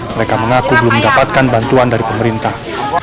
mereka mengaku belum mendapatkan bantuan dari pemerintah